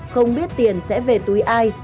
không biết tiền sẽ về túi ai